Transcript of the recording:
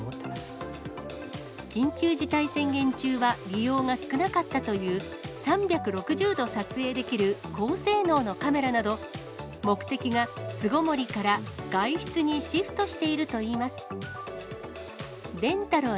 緊急事態宣言中は利用が少なかったという、３６０度撮影できる高性能のカメラなど、目的が巣ごもりから外出にシフトしているといいます。